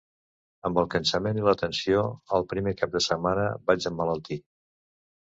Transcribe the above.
Amb el cansament i la tensió, el primer cap de setmana vaig emmalaltir.